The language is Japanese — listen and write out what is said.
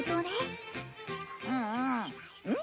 うんうん。